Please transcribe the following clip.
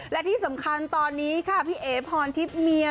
และที่สำคัญตอนนี้ค่ะพี่เอ๋พรทิพย์เมีย